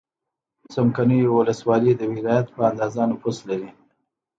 څمکنیو ولسوالۍ د ولایت په اندازه نفوس لري.